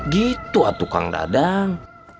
gitu atuh kang dadang